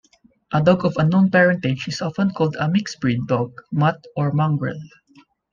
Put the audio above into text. A dog of unknown parentage is often called a mixed-breed dog, "mutt" or "mongrel.